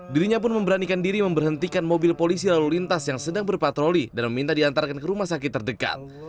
dirinya pun memberanikan diri memberhentikan mobil polisi lalu lintas yang sedang berpatroli dan meminta diantarkan ke rumah sakit terdekat